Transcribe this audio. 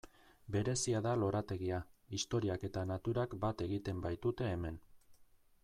Berezia da lorategia, historiak eta naturak bat egiten baitute hemen.